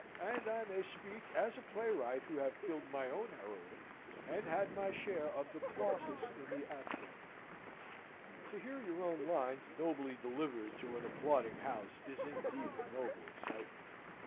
And I may speak, as a playwright who have killed my own heroine, and had my share of the plausus in the atro. To hear your own lines nobly delivered to an applauding house, is indeed a noble excitement.